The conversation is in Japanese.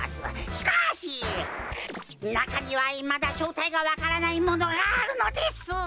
しかしなかにはいまだしょうたいがわからないものがあるのです！